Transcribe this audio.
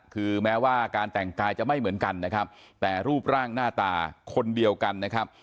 คือแม้ว่าการแต่งกายจะไม่เหมือนกันนะครับแต่รูปร่างหน้าตาคนเดียวกันนะครับ